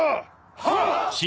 はっ！